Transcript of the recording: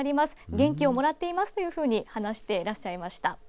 元気をもらっていますというふうに話していらっしゃいました。